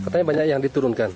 tapi banyak yang diturunkan